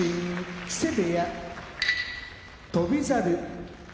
木瀬部屋翔猿